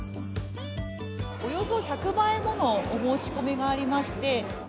およそ１００倍ものお申し込みがありまして。